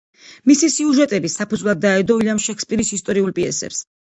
მისი სიუჟეტები საფუძვლად დაედო უილიამ შექსპირის ისტორიულ პიესებს.